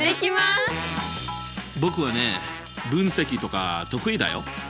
僕はね分析とか得意だよ。